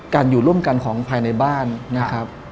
อยู่ร่วมกันของภายในบ้านนะครับ